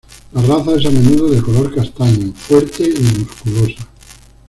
La raza es a menudo de color castaño, fuerte y musculosa.